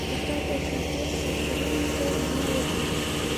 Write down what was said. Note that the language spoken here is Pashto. استاد د شاګرد فکرونو ته رڼا ورکوي.